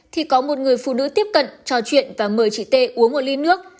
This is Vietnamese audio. thì có một người phụ nữ tiếp cận trò chuyện và mời chị tê uống một ly nước